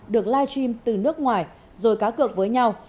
được live stream từ nước ngoài rồi cá cược với nhau